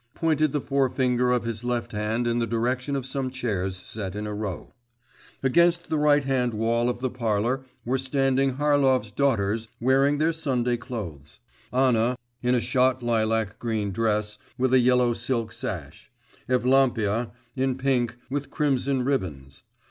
pointed the forefinger of his left hand in the direction of some chairs set in a row. Against the right hand wall of the parlour were standing Harlov's daughters wearing their Sunday clothes: Anna, in a shot lilac green dress, with a yellow silk sash; Evlampia, in pink, with crimson ribbons.